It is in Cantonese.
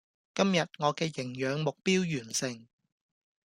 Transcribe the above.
今日我嘅營餋目標完成